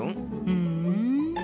ふん。